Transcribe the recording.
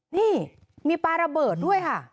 นี่มีปลาระเบิดด้วยค่ะ